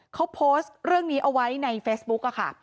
เขาโพสต์เรื่องนี้เอาไว้ในเฟซบุ๊กค่ะ